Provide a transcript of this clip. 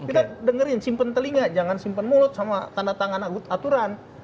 kita dengerin simpen telinga jangan simpen mulut sama tanda tangan aturan